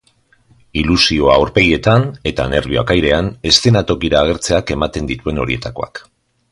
Ilusioa aurpegietan, eta nerbioak airean, eszenatokira agertzeak ematen dituen horietakoak.